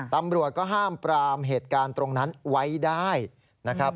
ตำรวจก็ห้ามปรามเหตุการณ์ตรงนั้นไว้ได้นะครับ